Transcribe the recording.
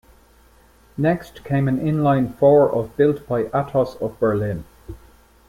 Next came an inline four of built by Atos of Berlin.